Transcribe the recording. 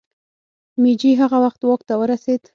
مېجي هغه وخت واک ته ورسېد.